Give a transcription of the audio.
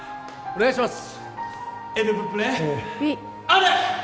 お願いします